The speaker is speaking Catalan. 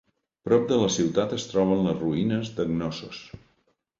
Prop de la ciutat es troben les ruïnes de Cnossos.